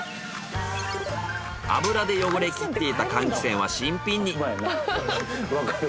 油で汚れきっていた換気扇は新品に。